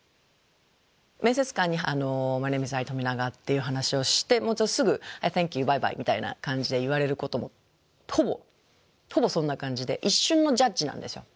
面接官に「マイネームイズアイ・トミナガ」っていう話をしてもすぐ「サンキューバイバイ」みたいな感じで言われることもほぼほぼそんな感じで一瞬のジャッジなんですよ。